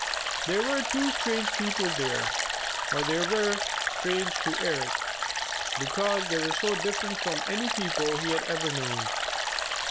There were two strange people there, or they were strange to Eric because they were so different from any people he had ever known.